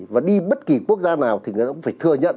và đi bất kỳ quốc gia nào thì nó cũng phải thừa nhận